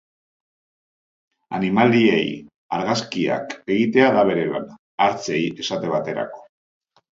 Animaliei argazkiak egitea da bere lana, hartzei esate baterako.